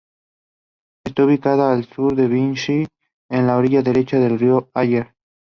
Está ubicada a al sur de Vichy, en la orilla derecha del río Allier.